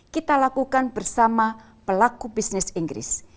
kita lakukan bersama pelaku bisnis inggris